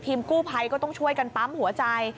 กู้ภัยก็ต้องช่วยกันปั๊มหัวใจ